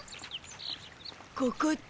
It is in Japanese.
ここって？